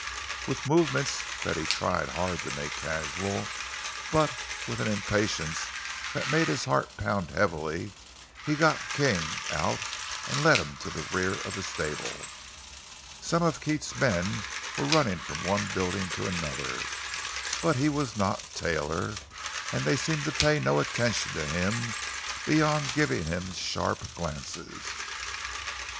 With movements that he tried hard to make casual, but with an impatience that made his heart pound heavily, he got King out and led him to the rear of the stable. Some of Keats's men were running from one building to another; but he was not Taylor, and they seemed to pay no attention to him, beyond giving him sharp glances.